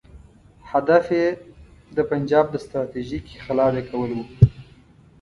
هدف یې د پنجاب د ستراتیژیکې خلا ډکول وو.